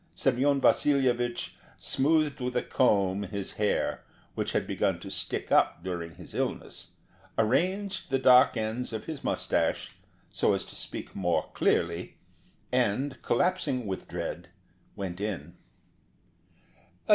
Semyon Vasilyevich smoothed with a comb his hair, which had begun to stick up during his illness, arranged the dark ends of his moustache, so as to speak more clearly, and collapsing with dread, went in.